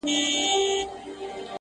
هر اندام يې دوو ټگانو وو ليدلى.!